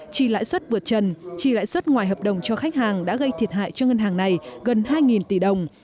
trì lãi suất vượt chân trì lãi suất ngoài hợp đồng cho khách hàng đã gây thiệt hại cho ngân hàng này gần hai tỷ đồng